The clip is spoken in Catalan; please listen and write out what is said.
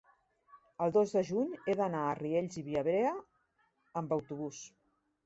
el dos de juny he d'anar a Riells i Viabrea amb autobús.